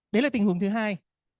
đấy là tình huống thứ hai